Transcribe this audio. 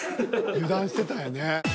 ［油断してたんやね］